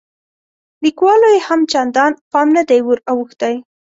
لیکوالو یې هم چندان پام نه دی وراوښتی.